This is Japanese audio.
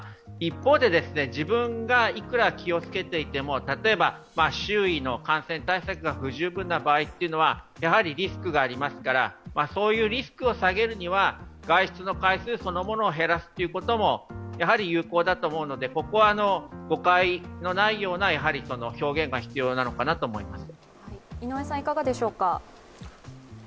一方で自分がいくら気をつけていても例えば周囲の感染対策が不十分な場合というのはやはりリスクがありますからそういうリスクを下げるには外出の回数そのものを減らすことも有効だと思うので、ここは誤解のないような表現が必要なのかなと思います。